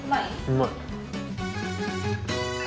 うまい。